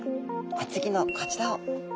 お次のこちらを頭です。